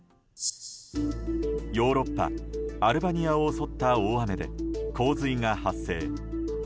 ヨーロッパ・アルバニアを襲った大雨で洪水が発生。